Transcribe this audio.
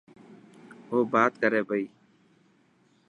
او بات ڪري پئي.